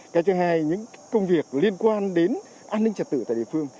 cái thứ hai là những công việc liên quan đến an ninh trẻ tự tại địa phương